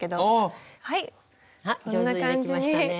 上手にできましたね。